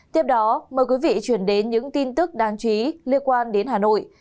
tiếp đó mời quý vị chuyển đến những tin tức đáng chú ý liên quan đến hà nội